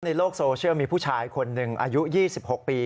ในโลกโซเชียลมีผู้ชายคนหนึ่งอายุ๒๖ปี